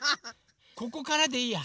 ここからでいいや。